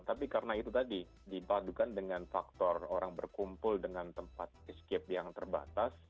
tapi karena itu tadi dipadukan dengan faktor orang berkumpul dengan tempat escape yang terbatas